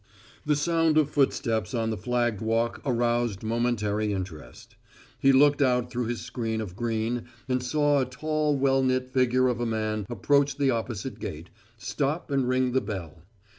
The sound of footsteps on the flagged walk aroused momentary interest. He looked out through his screen of green and saw a tall well knit figure of a man approach the opposite gate, stop and ring the bell.